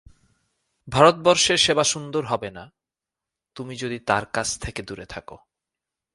ভারতবর্ষের সেবা সুন্দর হবে না, তুমি যদি তাঁর কাছ থেকে দূরে থাক।